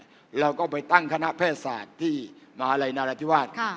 เราก็ไปตั้งคณะแพทยศาสตร์ที่มหาลัยนาราธิวาส